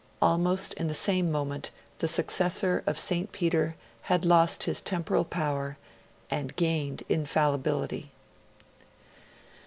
Almost in the same moment, the successor of St. Peter had lost his Temporal Power, and gained Infallibility.